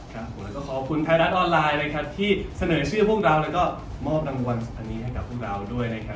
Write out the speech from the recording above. ครับแล้วก็ขอบคุณไทยรัฐออนไลน์นะครับที่เสนอชื่อพวกเราแล้วก็มอบรางวัลอันนี้ให้กับพวกเราด้วยนะครับ